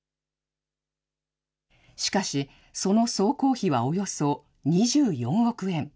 しかし、その総工費はおよそ２４億円。